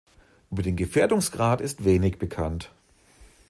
Über den Gefährdungsgrad ist wenig bekannt.